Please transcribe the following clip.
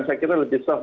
saya kira lebih soft